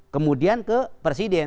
kemudian ke presiden